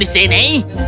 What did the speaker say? aku sudah lama di sini